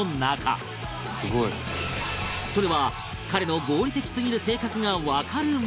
それは彼の合理的すぎる性格がわかるものだという